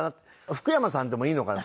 福山さんでもいいのかな。